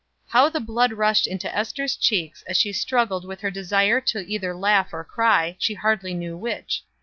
How the blood rushed into Ester's cheeks as she struggled with her desire to either laugh or cry, she hardly knew which.